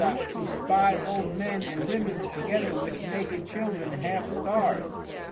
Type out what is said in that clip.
_ to spie old Men and Women, together with Naked Children half starv'd.